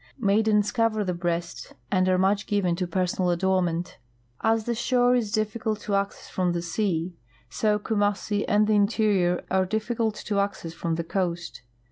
Maidens cover the breast, and are much given to personal adornment. As the shore is difficult of access from the sea, so Kumassi and the interior are difficult of access from the coast.